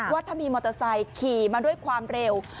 ว่าถ้ามีมอเตอร์ไซค์ขี่มาด้วยความเร็ว